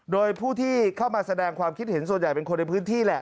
โดยผู้ที่เข้ามาแสดงความคิดเห็นส่วนใหญ่เป็นคนในพื้นที่แหละ